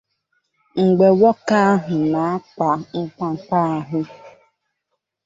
Mgbe nwoke ahụ na-akpa mkpamkpa ahụ